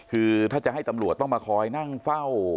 คือถ้าจะให้ตำรวจต้องมาคอยนั่งเฝ้า